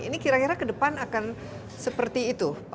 ini kira kira kedepan akan seperti itu pak narso